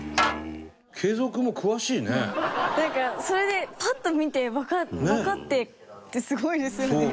なんかそれでパッと見てわかってってすごいですよね。